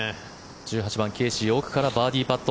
１８番、ケーシー奥からバーディーパット。